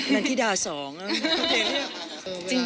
มันที่ด่าสอง